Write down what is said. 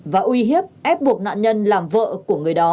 và uy hiếp ép buộc nạn nhân làm vợ của người đó